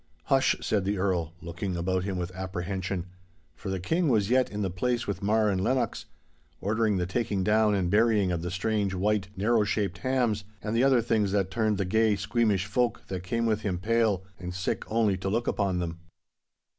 'Hush!' said the Earl, looking about him with apprehension. For the King was yet in the place with Mar and Lennox, ordering the taking down and burying of the strange, white, narrow shaped hams, and the other things that turned the gay, squeamish folk that came with him pale and sick only to look upon them.